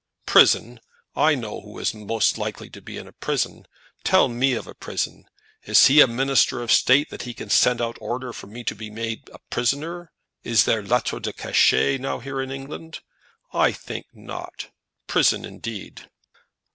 "Prison! I know who is most likely be in a prison. Tell me of a prison! Is he a minister of state that he can send out order for me to be made prisoner? Is there lettres de cachet now in England? I think not. Prison, indeed!"